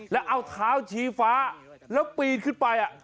แล้วเอาเท้าชี้ฟ้าแล้วปีนขึ้นไป